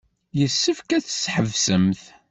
Yessefk ad t-tḥebsemt.